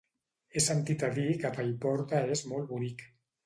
He sentit a dir que Paiporta és molt bonic.